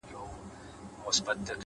د زغم ځواک د لویوالي نښه ده؛